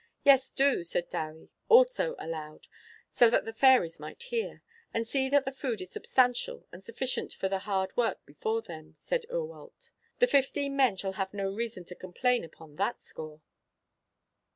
"Yes, do," replied Dewi, also aloud, so that the fairies might hear, "and see that the food is substantial and sufficient for the hard work before them." Said Eurwallt, "The fifteen men shall have no reason to complain upon that score.